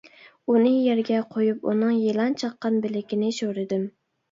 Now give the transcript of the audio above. ئۇنى يەرگە قويۇپ ئۇنىڭ يىلان چاققان بىلىكىنى شورىدىم.